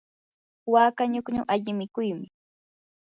waka ñukñu alli mikuymi.